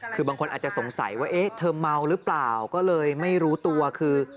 คือบางคนอาจจะสงสัยว่าเอ๊ะเธอเมาหรือเปล่าก็เลยไม่รู้ตัวคือ